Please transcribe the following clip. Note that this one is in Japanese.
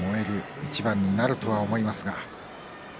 一番になると思います。